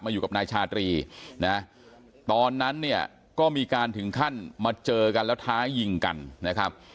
อยู่กับนายชาตรีนะตอนนั้นเนี่ยก็มีการถึงขั้นมาเจอกันแล้วท้ายิงกันนะครับ